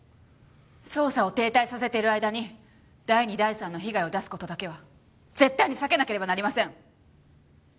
捜査を停滞させている間に第２第３の被害を出す事だけは絶対に避けなければなりません！